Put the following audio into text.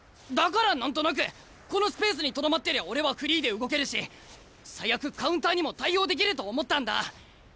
だから何となくこのスペースにとどまってりゃ俺はフリーで動けるし最悪カウンターにも対応できると思ったんだ。